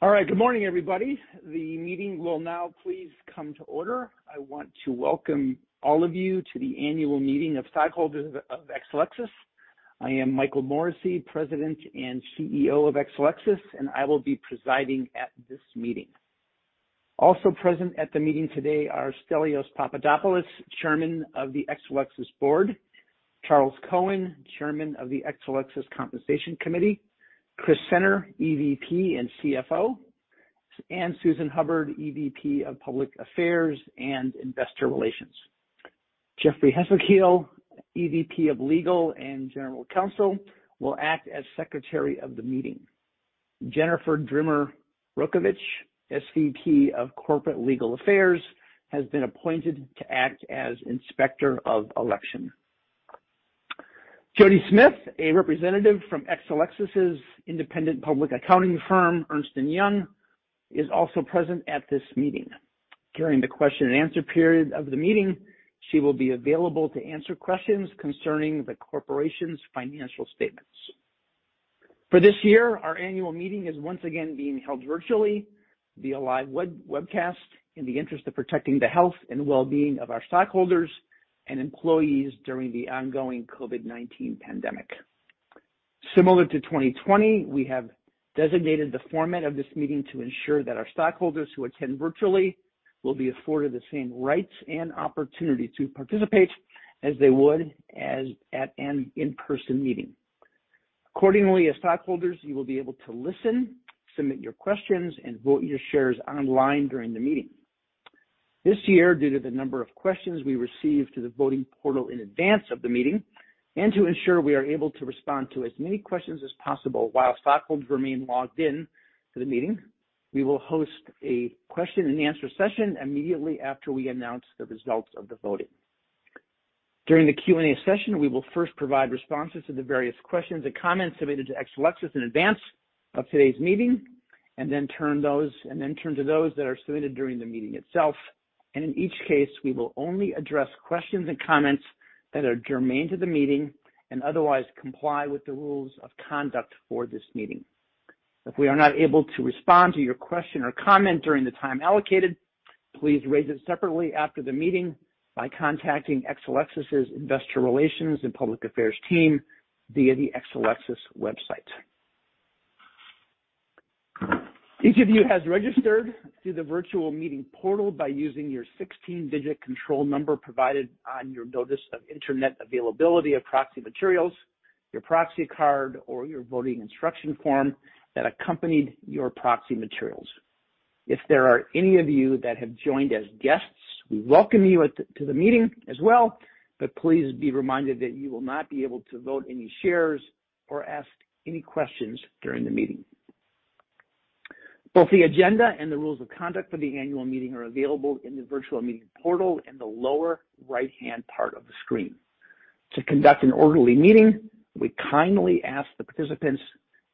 Good morning, everybody. The meeting will now please come to order. I want to welcome all of you to the annual meeting of stockholders of Exelixis. I am Michael Morrissey, President and CEO of Exelixis, and I will be presiding at this meeting. Also present at the meeting today are Stelios Papadopoulos, Chairman of the Exelixis Board, Charles Cohen, Chairman of the Exelixis Compensation Committee, Christopher Senner, EVP and CFO, and Susan Hubbard, EVP of Public Affairs and Investor Relations. Jeffrey J. Hessekiel, EVP of Legal and General Counsel, will act as Secretary of the meeting. Jennifer Drimmer Rokovich, SVP of Corporate Legal Affairs, has been appointed to act as Inspector of Election. Jody Smith, a representative from Exelixis' independent public accounting firm, Ernst & Young, is also present at this meeting. During the question and answer period of the meeting, she will be available to answer questions concerning the corporation's financial statements. For this year, our annual meeting is once again being held virtually via live webcast in the interest of protecting the health and wellbeing of our stockholders and employees during the ongoing COVID-19 pandemic. Similar to 2020, we have designated the format of this meeting to ensure that our stockholders who attend virtually will be afforded the same rights and opportunity to participate as they would at an in-person meeting. Accordingly, as stockholders, you will be able to listen, submit your questions, and vote your shares online during the meeting. This year, due to the number of questions we received to the voting portal in advance of the meeting, and to ensure we are able to respond to as many questions as possible while stockholders remain logged in to the meeting, we will host a Q&A session immediately after we announce the results of the voting. During the Q&A session, we will first provide responses to the various questions and comments submitted to Exelixis in advance of today's meeting, and then turn to those that are submitted during the meeting itself, and in each case, we will only address questions and comments that are germane to the meeting and otherwise comply with the rules of conduct for this meeting. If we are not able to respond to your question or comment during the time allocated, please raise it separately after the meeting by contacting Exelixis' Investor Relations and Public Affairs team via the Exelixis website. Each of you has registered through the virtual meeting portal by using your 16-digit control number provided on your notice of internet availability of proxy materials, your proxy card, or your voting instruction form that accompanied your proxy materials. If there are any of you that have joined as guests, we welcome you to the meeting as well, but please be reminded that you will not be able to vote any shares or ask any questions during the meeting. Both the agenda and the rules of conduct for the annual meeting are available in the virtual meeting portal in the lower right-hand part of the screen. To conduct an orderly meeting, we kindly ask the participants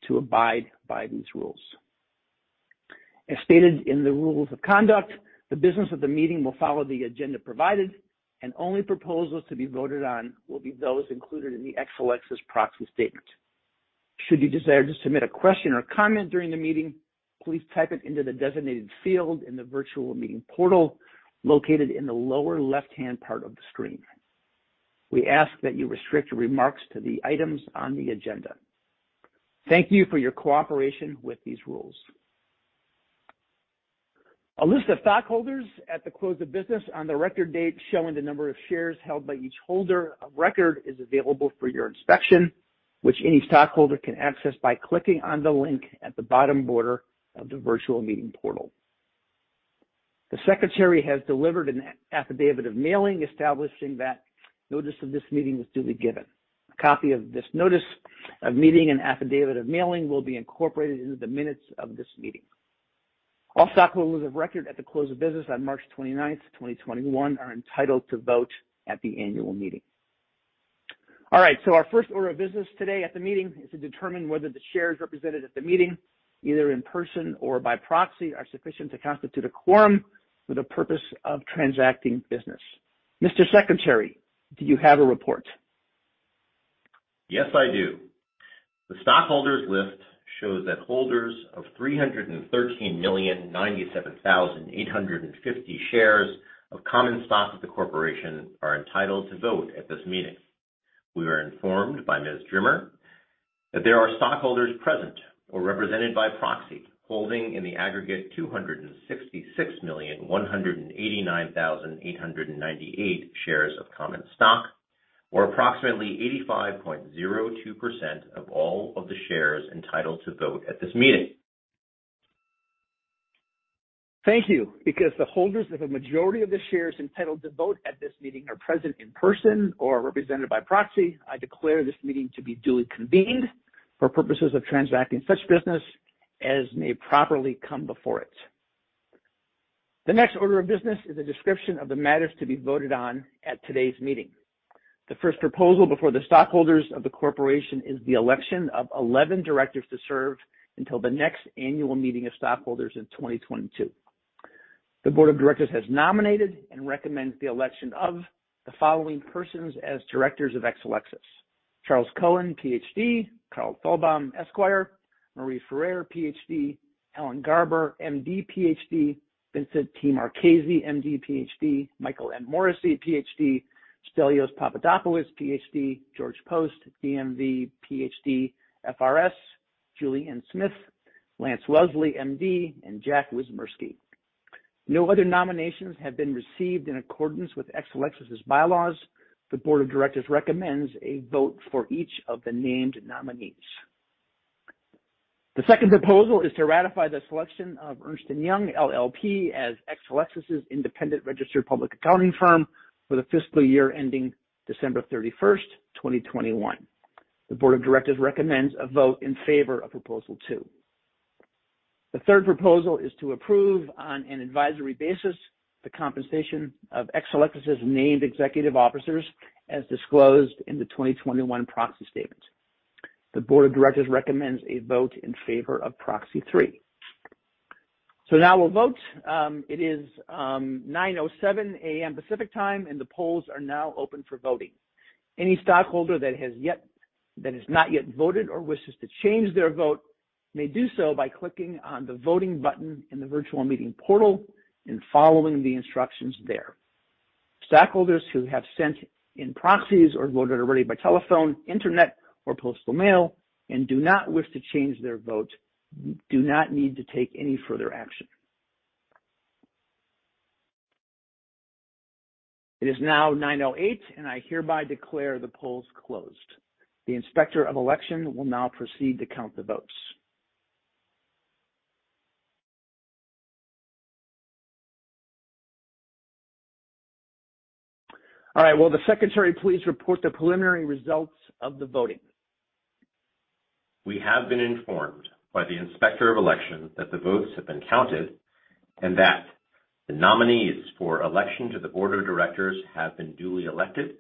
to abide by these rules. As stated in the rules of conduct, the business of the meeting will follow the agenda provided, and only proposals to be voted on will be those included in the Exelixis proxy statement. Should you desire to submit a question or comment during the meeting, please type it into the designated field in the virtual meeting portal located in the lower left-hand part of the screen. We ask that you restrict your remarks to the items on the agenda. Thank you for your cooperation with these rules. A list of stockholders at the close of business on the record date showing the number of shares held by each holder of record is available for your inspection, which any stockholder can access by clicking on the link at the bottom border of the virtual meeting portal. The Secretary has delivered an affidavit of mailing establishing that notice of this meeting was duly given. A copy of this notice of meeting and affidavit of mailing will be incorporated into the minutes of this meeting. All stockholders of record at the close of business on March 29th, 2021, are entitled to vote at the annual meeting. All right, our first order of business today at the meeting is to determine whether the shares represented at the meeting, either in person or by proxy, are sufficient to constitute a quorum for the purpose of transacting business. Mr. Secretary, do you have a report? Yes, I do. The stockholders' list shows that holders of 313,097,850 shares of common stock of the corporation are entitled to vote at this meeting. We are informed by Ms. Drimmer that there are stockholders present or represented by proxy, holding in the aggregate 266,189,898 shares of common stock, or approximately 85.02% of all of the shares entitled to vote at this meeting. Thank you. Because the holders of a majority of the shares entitled to vote at this meeting are present in person or represented by proxy, I declare this meeting to be duly convened for purposes of transacting such business as may properly come before it. The next order of business is a description of the matters to be voted on at today's meeting. The first proposal before the stockholders of the corporation is the election of 11 directors to serve until the next annual meeting of stockholders in 2022. The board of directors has nominated and recommends the election of the following persons as directors of Exelixis: Charles Cohen, PhD, Carl Feldbaum, Esquire, Maria Freire, PhD, Alan Garber, MD, PhD, Vincent T. Marchesi, MD, PhD, Michael M. Morrissey, PhD, Stelios Papadopoulos, PhD, George Poste, DV, PhD, FRS, Julie Anne Smith, Lance Willsey, MD, and Jack Wyszomierski. No other nominations have been received in accordance with Exelixis' bylaws. The board of directors recommends a vote for each of the named nominees. The second proposal is to ratify the selection of Ernst & Young LLP as Exelixis' independent registered public accounting firm for the fiscal year ending December 31st, 2021. The board of directors recommends a vote in favor of proposal two. The third proposal is to approve on an advisory basis the compensation of Exelixis' named executive officers as disclosed in the 2021 proxy statement. The board of directors recommends a vote in favor of proxy three. Now we'll vote. It is 9:07 A.M. Pacific Time, the polls are now open for voting. Any stockholder that has not yet voted or wishes to change their vote may do so by clicking on the voting button in the virtual meeting portal and following the instructions there. Stockholders who have sent in proxies or voted already by telephone, internet, or postal mail and do not wish to change their vote do not need to take any further action. It is now 9:08 A.M., and I hereby declare the polls closed. The Inspector of Election will now proceed to count the votes. All right, will the secretary please report the preliminary results of the voting? We have been informed by the Inspector of Election that the votes have been counted and that the nominees for election to the board of directors have been duly elected.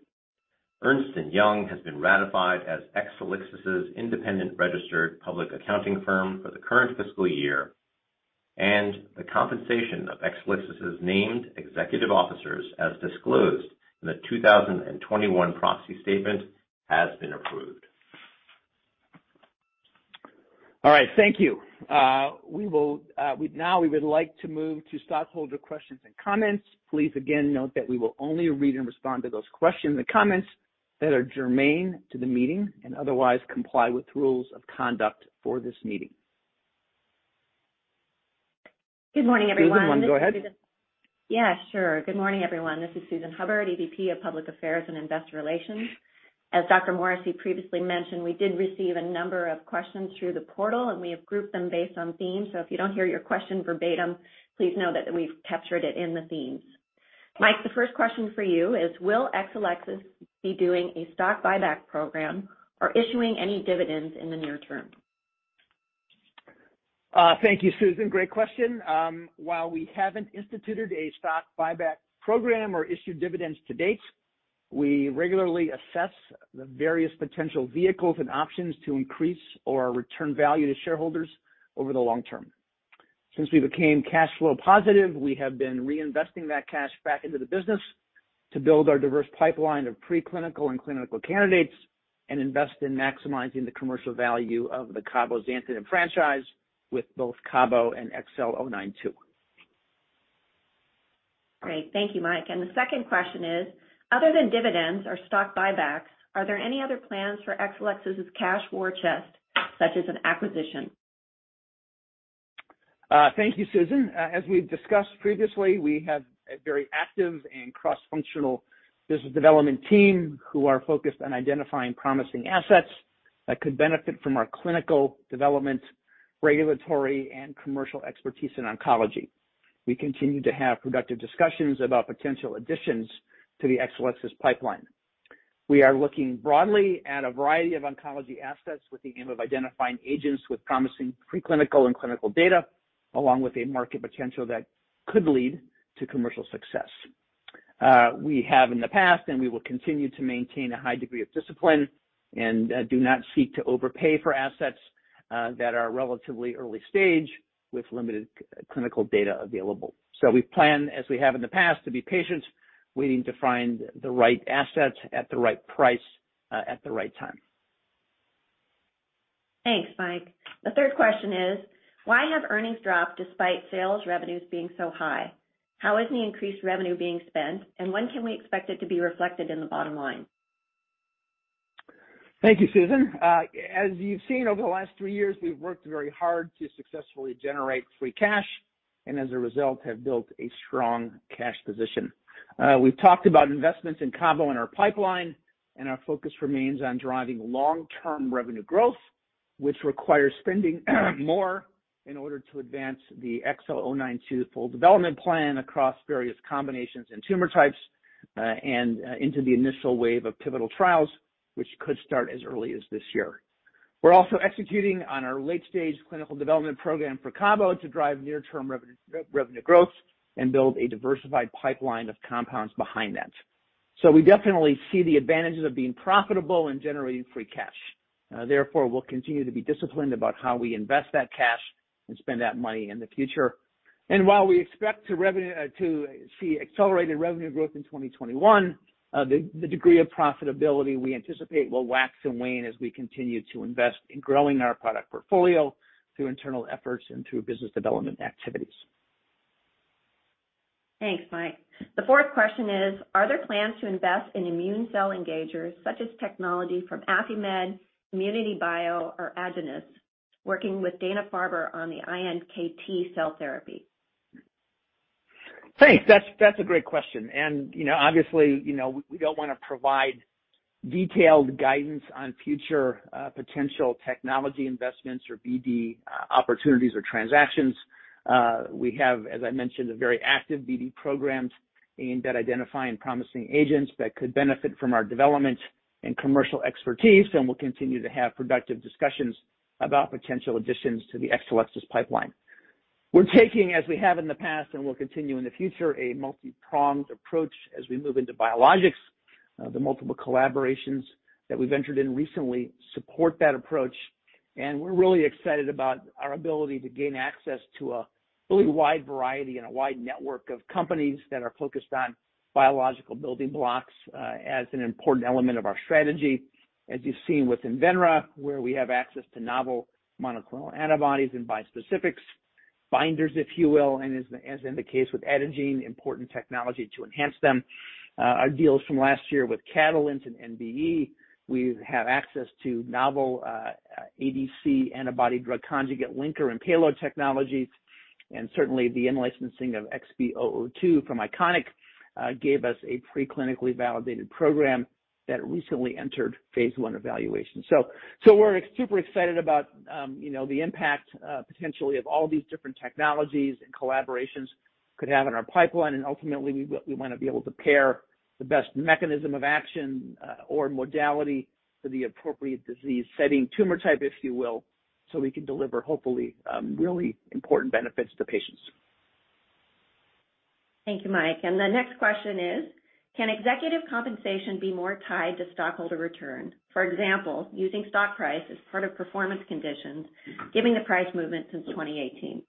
Ernst & Young has been ratified as Exelixis' independent registered public accounting firm for the current fiscal year, and the compensation of Exelixis' named executive officers, as disclosed in the 2021 proxy statement, has been approved. All right. Thank you. We would like to move to stockholder questions and comments. Please again, note that we will only read and respond to those questions and comments that are germane to the meeting and otherwise comply with rules of conduct for this meeting. Good morning, everyone. Susan, go ahead. Yeah, sure. Good morning, everyone. This is Susan Hubbard, EVP of Public Affairs and Investor Relations. As Dr. Morrissey previously mentioned, we did receive a number of questions through the portal. We have grouped them based on themes. If you don't hear your question verbatim, please know that we've captured it in the themes. Mike, the first question for you is will Exelixis be doing a stock buyback program or issuing any dividends in the near term? Thank you, Susan. Great question. While we haven't instituted a stock buyback program or issued dividends to date, we regularly assess the various potential vehicles and options to increase or return value to shareholders over the long term. Since we became cash flow positive, we have been reinvesting that cash back into the business to build our diverse pipeline of preclinical and clinical candidates and invest in maximizing the commercial value of the cabozantinib franchise with both CABOMETYX and XL092. Great. Thank you, Mike. The second question is: other than dividends or stock buybacks, are there any other plans for Exelixis' cash war chest, such as an acquisition? Thank you, Susan. As we've discussed previously, we have a very active and cross-functional business development team who are focused on identifying promising assets that could benefit from our clinical development, regulatory, and commercial expertise in oncology. We continue to have productive discussions about potential additions to the Exelixis pipeline. We are looking broadly at a variety of oncology assets with the aim of identifying agents with promising preclinical and clinical data, along with a market potential that could lead to commercial success. We have in the past, and we will continue to maintain a high degree of discipline and do not seek to overpay for assets that are relatively early-stage with limited clinical data available. We plan, as we have in the past, to be patient, waiting to find the right assets at the right price at the right time. Thanks, Mike. The third question is: why have earnings dropped despite sales revenues being so high? How is the increased revenue being spent, and when can we expect it to be reflected in the bottom line? Thank you, Susan. As you've seen over the last three years, we've worked very hard to successfully generate free cash and as a result, have built a strong cash position. We've talked about investments in CABOMETYX and our pipeline, and our focus remains on driving long-term revenue growth, which requires spending more in order to advance the XL092 full development plan across various combinations and tumor types, and into the initial wave of pivotal trials, which could start as early as this year. We're also executing on our late-stage clinical development program for CABOMETYX to drive near-term revenue growth and build a diversified pipeline of compounds behind that. We definitely see the advantages of being profitable and generating free cash. Therefore, we'll continue to be disciplined about how we invest that cash and spend that money in the future. While we expect to see accelerated revenue growth in 2021, the degree of profitability we anticipate will wax and wane as we continue to invest in growing our product portfolio through internal efforts and through business development activities. Thanks, Mike. The fourth question is, are there plans to invest in immune cell engagers such as technology from Affimed, ImmunityBio, or Adagene working with Dana-Farber on the iNKT cell therapy? Thanks. That's a great question. Obviously, we don't want to provide detailed guidance on future potential technology investments or BD opportunities or transactions. We have, as I mentioned, very active BD programs aimed at identifying promising agents that could benefit from our development and commercial expertise, and we'll continue to have productive discussions about potential additions to the Exelixis pipeline. We're taking, as we have in the past and will continue in the future, a multi-pronged approach as we move into biologics. The multiple collaborations that we ventured in recently support that approach, and we're really excited about our ability to gain access to a really wide variety and a wide network of companies that are focused on biological building blocks as an important element of our strategy. As you've seen with Invenra, where we have access to novel monoclonal antibodies and bispecifics, binders, if you will, as in the case with Adagene, important technology to enhance them. Our deals from last year with Catalent and NBE, we have access to novel ADC, antibody-drug conjugate, linker and payload technologies, certainly the in-licensing of XB002 from Iconic gave us a pre-clinically validated program that recently entered phase I evaluation. We're super excited about the impact, potentially, of all these different technologies and collaborations could have on our pipeline. Ultimately, we want to be able to pair the best mechanism of action or modality for the appropriate disease setting, tumor type, if you will, so we can deliver, hopefully, really important benefits to patients. Thank you, Mike. The next question is, can executive compensation be more tied to stockholder returns? For example, using stock price as part of performance conditions, given the price movement since 2018.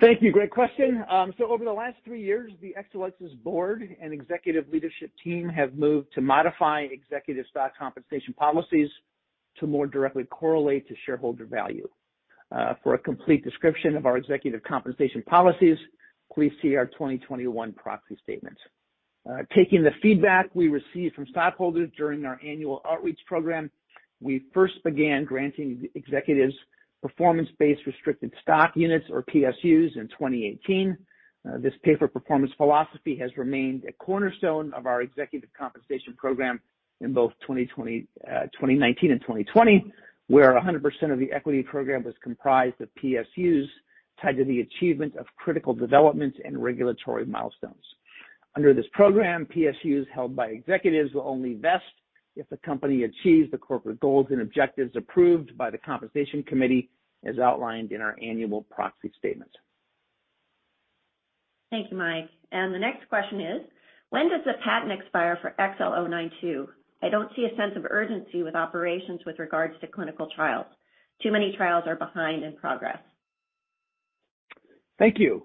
Thank you. Great question. Over the last three years, the Exelixis Board and executive leadership team have moved to modify executive stock compensation policies to more directly correlate to shareholder value. For a complete description of our executive compensation policies, please see our 2021 proxy statement. Taking the feedback we received from stockholders during our annual outreach program, we first began granting executives performance-based restricted stock units, or PSUs, in 2018. This pay-for-performance philosophy has remained a cornerstone of our executive compensation program in both 2019 and 2020, where 100% of the equity program was comprised of PSUs tied to the achievement of critical developments and regulatory milestones. Under this program, PSUs held by executives will only vest if the company achieves the corporate goals and objectives approved by the Compensation Committee, as outlined in our annual proxy statement. Thanks, Mike. The next question is, when does the patent expire for XL092? I don't see a sense of urgency with operations with regards to clinical trials. Too many trials are behind in progress. Thank you.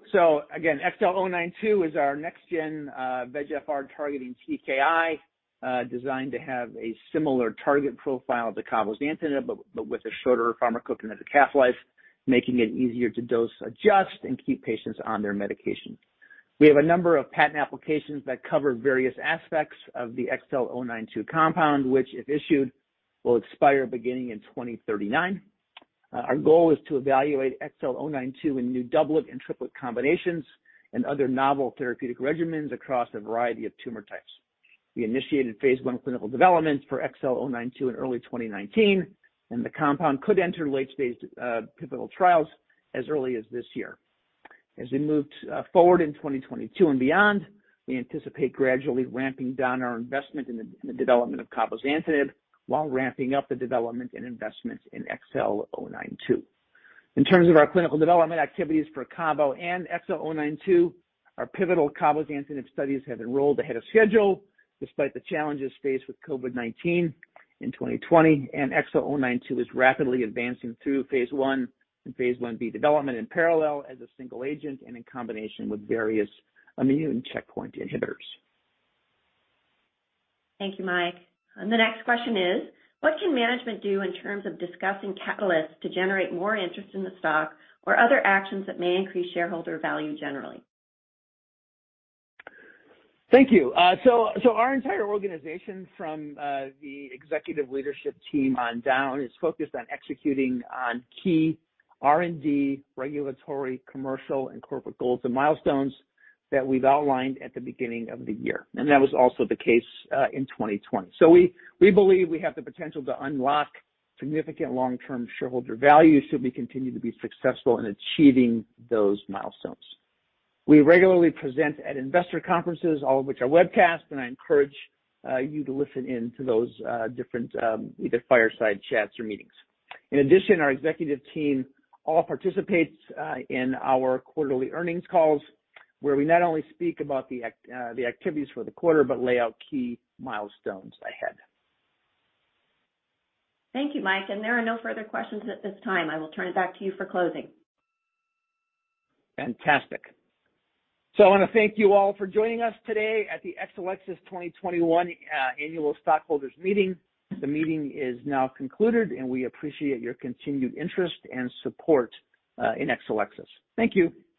Again, XL092 is our next-gen VEGF-R targeting TKI, designed to have a similar target profile to cabozantinib, but with a shorter pharmacokinetics half-life, making it easier to dose adjust and keep patients on their medications. We have a number of patent applications that cover various aspects of the XL092 compound, which, if issued, will expire beginning in 2039. Our goal is to evaluate XL092 in new doublet and triplet combinations and other novel therapeutic regimens across a variety of tumor types. We initiated Phase I clinical development for XL092 in early 2019, and the compound could enter late-stage pivotal trials as early as this year. As we move forward in 2022 and beyond, we anticipate gradually ramping down our investment in the development of cabozantinib while ramping up the development and investment in XL092. In terms of our clinical development activities for cabo and XL092, our pivotal cabozantinib studies have enrolled ahead of schedule despite the challenges faced with COVID-19 in 2020, and XL092 is rapidly advancing through phase I and phase I-B development in parallel as a single agent and in combination with various immune checkpoint inhibitors. Thank you, Mike. The next question is, what can management do in terms of discussing catalysts to generate more interest in the stock or other actions that may increase shareholder value generally? Thank you. Our entire organization, from the executive leadership team on down, is focused on executing on key R&D, regulatory, commercial, and corporate goals and milestones that we've outlined at the beginning of the year. That was also the case in 2020. We believe we have the potential to unlock significant long-term shareholder value should we continue to be successful in achieving those milestones. We regularly present at investor conferences, all of which are webcast, and I encourage you to listen in to those different either fireside chats or meetings. In addition, our executive team all participates in our quarterly earnings calls, where we not only speak about the activities for the quarter but lay out key milestones ahead. Thank you, Mike. There are no further questions at this time. I will turn it back to you for closing. I want to thank you all for joining us today at the Exelixis 2021 Annual Stockholders Meeting. The meeting is now concluded, and we appreciate your continued interest and support in Exelixis. Thank you.